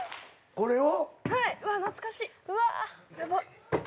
これを。